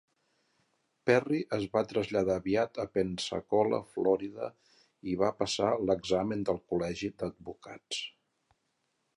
Perry es va traslladar aviat a Pensacola, Florida, i va passar l'examen del col·legi d'advocats.